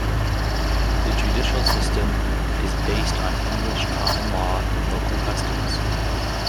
The judicial system is based on English common law and local customs.